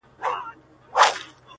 اوښکي دې توی کړلې ډېوې، راته راوبهيدې،